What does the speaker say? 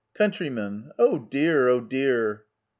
Countryman. Oh dear ! Oh dear